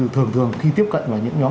thường thường khi tiếp cận vào những nhóm